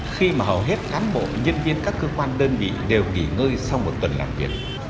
khi mà hầu hết cán bộ nhân viên các cơ quan đơn vị đều nghỉ ngơi sau một tuần làm việc